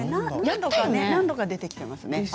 何度か出てきています。